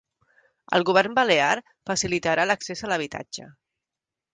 El govern balear facilitarà l'accés a l'habitatge